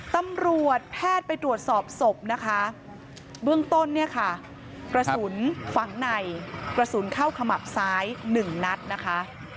ตำรวจแพทย์ไปตรวจสอบศพนะคะเบื้องต้นเนี่ยค่ะกระสุนฝังในกระสุนเข้าขมับซ้าย๑นัดนะคะ